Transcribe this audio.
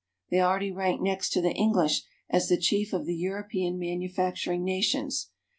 They already rank next to the English as the chief of the European manufacturing nations.